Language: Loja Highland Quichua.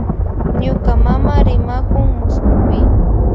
Ñuka mama rimawun muskupi.